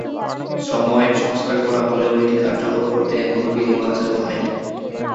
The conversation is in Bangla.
শ্রম আইন সংস্কার করা হলেও এটি কার্যকর করতে এখনো বিধিমালা চালু হয়নি।